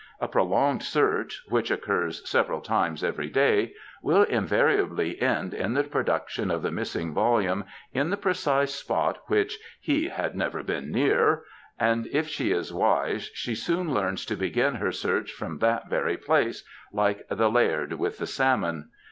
A prolonged search ŌĆö which occurs several times every day ŌĆö will invariably end in the production of the missing volume in the precise spot which ^* he had never been near," and if she is wise she soon learns to begin her search from that very place, like the Laird with the salmon.